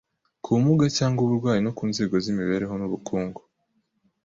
ku bumuga cyangwa uburwayi no ku nzego z’imibereho n’ubukungu.